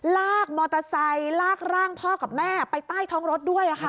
ลากมอเตอร์ไซค์ลากร่างพ่อกับแม่ไปใต้ท้องรถด้วยค่ะ